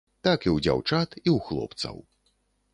Так і ў дзяўчат, і ў хлопцаў.